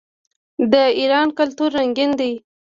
د ایران کلتور رنګین دی.